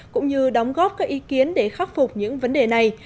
cũng như đóng góp các ý kiến để khắc phục những vấn đề này